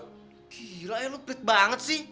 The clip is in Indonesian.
gila ya lu pelit banget sih